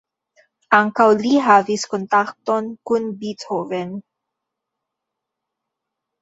Ankaŭ li havis kontakton kun Beethoven.